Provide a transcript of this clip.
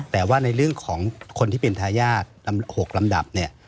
แต่ว่าในเรื่องของคนที่เป็นทายาท๖ลำดับเนี่ย